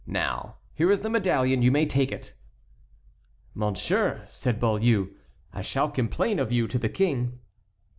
Now, here is the medallion; you may take it." "Monsieur," said Beaulieu, "I shall complain of you to the King."